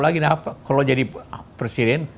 lagi kalau jadi presiden